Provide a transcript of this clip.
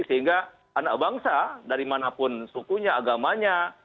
sehingga anak bangsa dari mana pun sukunya agamanya